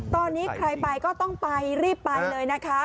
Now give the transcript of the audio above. ตอนนี้ใครไปก็ต้องไปรีบไปเลยนะคะ